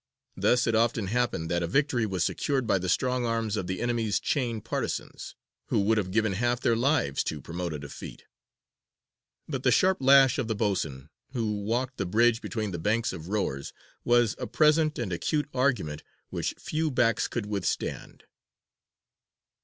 Thus it often happened that a victory was secured by the strong arms of the enemy's chained partizans, who would have given half their lives to promote a defeat. But the sharp lash of the boatswain, who walked the bridge between the banks of rowers, was a present and acute argument which few backs could withstand.